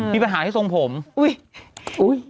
มีปัญหาที่ทรงผมอุ้ย